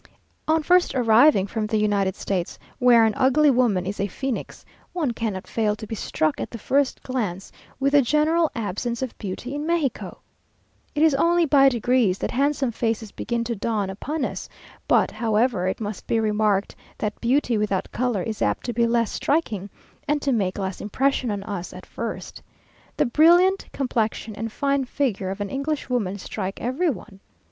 On first arriving from the United States, where an ugly woman is a phoenix, one cannot fail to be struck at the first glance with the general absence of beauty in Mexico. It is only by degrees that handsome faces begin to dawn upon us; but, however, it must be remarked that beauty without colour is apt to be less striking and to make less impression on us at first. The brilliant complexion and fine figure of an Englishwoman strike every one.